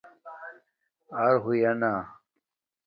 اَر ہوئنا